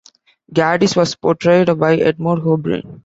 Gaddis was portrayed by Edmond O'Brien.